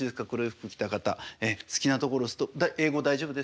好きなところをストップ英語大丈夫ですか？